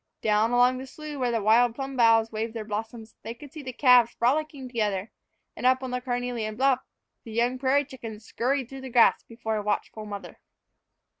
Down along the slough where the wild plum boughs waved their blossoms they could see the calves frolicking together; and up on the carnelian bluff, the young prairie chickens scurried through the grass before a watchful mother.